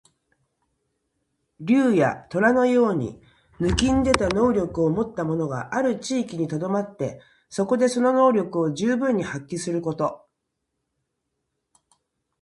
竜や、とらのように抜きんでた能力をもった者がある地域にとどまって、そこでその能力を存分に発揮すること。